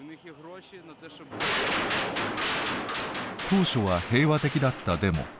当初は平和的だったデモ。